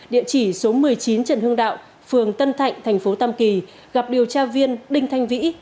địa chỉ số một mươi chín trần hưng đạo phường tân thạnh thành phố tam kỳ gặp điều tra viên đinh thanh vĩ